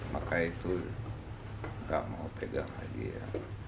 maka itu nggak mau pegang lagi ya